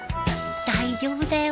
大丈夫だよ